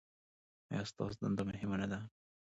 ایا ستاسو دنده مهمه نه ده؟